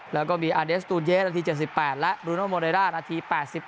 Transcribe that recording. แล้วก็มีอาเดสตูนเยสนาที๗๘และบรูโนโมเรด้านาที๘๑